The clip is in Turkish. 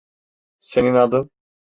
Senin adın?